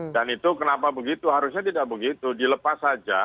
dan itu kenapa begitu harusnya tidak begitu dilepas saja